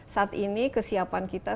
saat ini kesiapan kita